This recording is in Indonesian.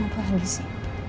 kau ngapain disini